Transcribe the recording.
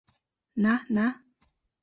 На, на!